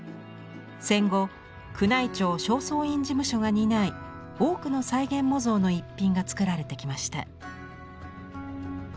戦後宮内庁正倉院事務所が担い多くの再現模造の逸品が作られてきました。